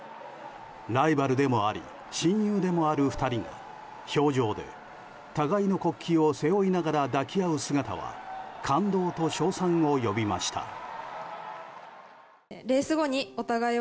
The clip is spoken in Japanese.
ライバルでもあり親友でもある２人が氷上で互いの国旗を背負いながら抱き合う姿は感動と称賛を呼びました。